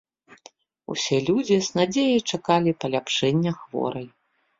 Усе людзі з надзеяй чакалі паляпшэння хворай.